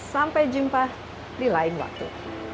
sampai jumpa di lain waktu